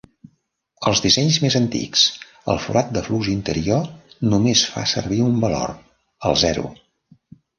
En dissenys més antics, el forat de flux interior només fer servir un valor, el zero.